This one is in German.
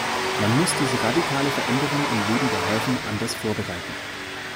Man muss diese radikale Veränderung im Leben der Häfen anders vorbereiten.